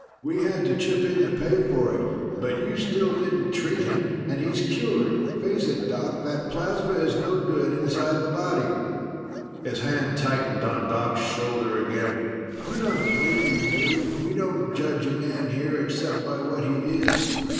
"We had to chip in to pay for it. But you still didn't treat him, and he's cured. Face it, Doc, that plasma is no good inside the body." His hand tightened on Doc's shoulder again. "We're not blaming you. We don't judge a man here except by what he is.